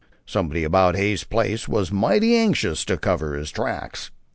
Somebody about Hay's place was mighty anxious to cover his tracks."